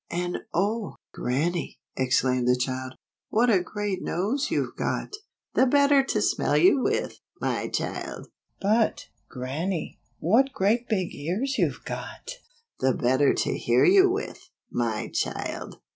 " And oh, Grannie," exclaimed the child, " what a great long nose you've got!" "The better to smell with, my child." " But, Grannie, what great big ears you've got!" "The better to hear with, my child."